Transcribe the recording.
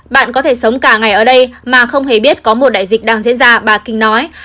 bạn có thể sống cả ngày ở đây mà không hề biết có một đại dịch đang diễn ra bà kinh nói